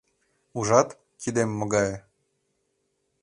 Ужат, кидем могае?